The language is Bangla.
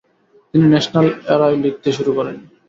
তিনি ন্যাশনাল এরায় লিখতে শুরু করেন।